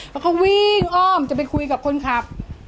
แล้วเขาวิ่งอ้อมจะไปคุยกับคนขับ